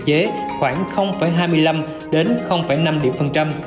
nó sẽ hạn chế khoảng hai mươi năm đến năm điểm phần trăm